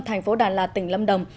thành phố đà lạt tỉnh lâm đồng